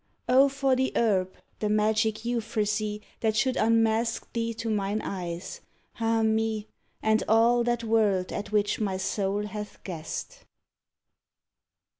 O for the herb, the magic euphrasy, That should unmask thee to mine eyes, ah, me! And all that world at which my soul hath guessed!